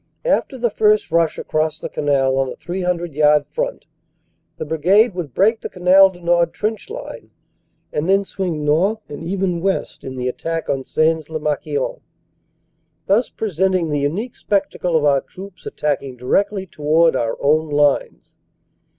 After the first rush across the canal on a 300 yard front, the brigade would break the Canal du Nord trench line and then swing north and even west in the attack on Sains lez Marquion, thus presenting the unique spectacle of our troops attacking directly toward our own lines.